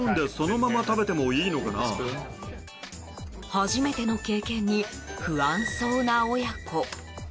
初めての経験に不安そうな親子。